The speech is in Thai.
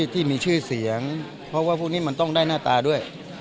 ที่มีชื่อเสียงเพราะว่าพวกนี้มันต้องได้หน้าตาด้วย